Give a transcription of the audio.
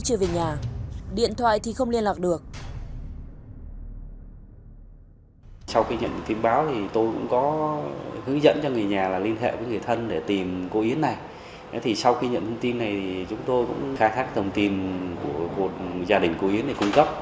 chúng tôi cũng khai thác thông tin của một gia đình của yến để cung cấp